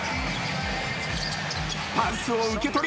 パスを受け取り